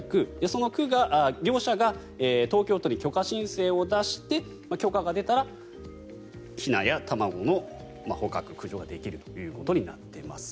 その業者が東京都に許可申請を出して許可が出たらひなや卵の捕獲・駆除ができるということになっています。